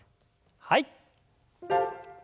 はい。